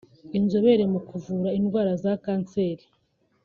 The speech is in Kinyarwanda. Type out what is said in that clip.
Inzobere mu kuvura indwara za kanseri